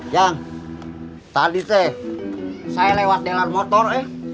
yang tadi saya lewat delan motor